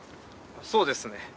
そうですね